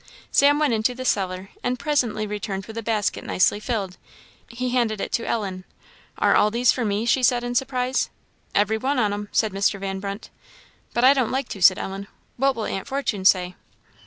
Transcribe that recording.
Sam went into the cellar, and presently returned with the basket nicely filled. He handed it to Ellen. "Are all these for me?" she said in surprise. "Every one on 'em," said Mr. Van Brunt. "But I don't like to," said Ellen; "what will Aunt Fortune say?"